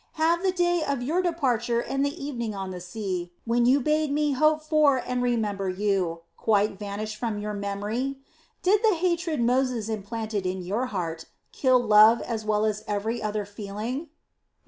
Have the day of your departure and the evening on the sea, when you bade me hope for and remember you, quite vanished from your memory? Did the hatred Moses implanted in your heart kill love as well as every other feeling?"